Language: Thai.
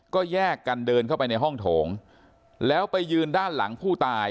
ก็แยกกันเดินเข้าไปในห้องโถงแล้วไปยืนด้านหลังผู้ตาย